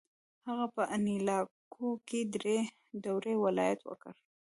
هغه په انیلاکو کې درې دورې ولایت وکړ.